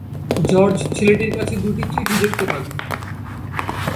George ছেলেটির কাছে দুটি চিঠি দেখতে পান।